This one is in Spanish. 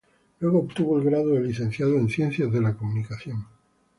Luego obtuvo el grado de Licenciado en Ciencias de la Comunicación.